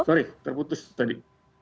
sorry terputus tadi